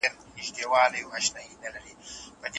خپل لویې موږک ته اوه سره بلا سوه